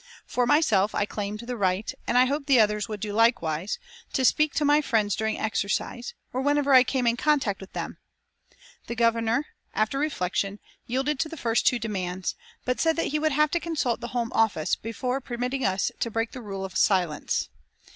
For myself I claimed the right, and I hoped the others would do likewise, to speak to my friends during exercise, or whenever I came in contact with them. The Governor, after reflection, yielded to the first two demands, but said that he would have to consult the Home Office before permitting us to break the rule of silence.